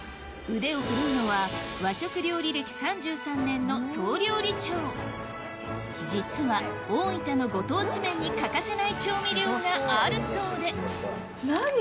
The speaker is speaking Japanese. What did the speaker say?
腕を振るうのは和食料理歴３３年の総料理長実は大分のご当地麺に欠かせない調味料があるそうで何？